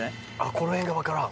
この辺が分からん